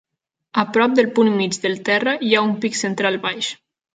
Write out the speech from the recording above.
A prop del punt mig del terra, hi ha un pic central baix.